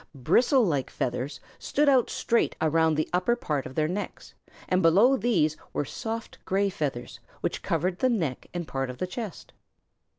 Bristle like feathers stood out straight around the upper part of their necks, and below these were soft gray feathers which covered the neck and part of the chest.